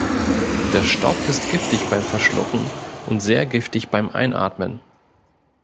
Der Stoff ist giftig beim Verschlucken und sehr giftig beim Einatmen.